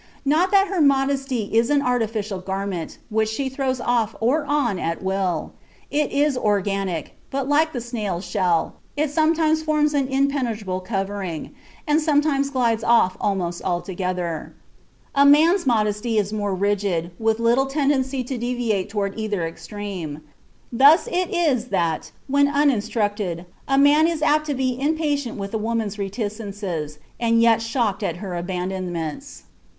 Not that her modesty is an artificial garment, which she throws off or on at will. It is organic, but like the snail's shell, it sometimes forms an impenetrable covering, and sometimes glides off almost altogether. A man's modesty is more rigid, with little tendency to deviate toward either extreme. Thus it is, that, when uninstructed, a man is apt to be impatient with a woman's reticences, and yet shocked at her abandonments.